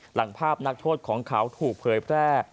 หลังภาพนักโทษของเขาถูกเผยแพร่